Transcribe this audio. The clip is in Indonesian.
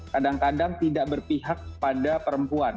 kadang kadang tidak berpihak pada perempuan